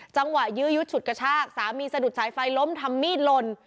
ยื้อยุดฉุดกระชากสามีสะดุดสายไฟล้มทำมีดลน